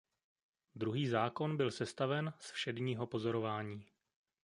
Druhý zákon byl sestaven z všedního pozorování.